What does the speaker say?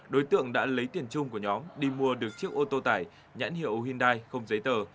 đối tượng đã lấy tiền chung của nhóm đi mua được chiếc ô tô tải nhãn hiệu hyundai không giấy tờ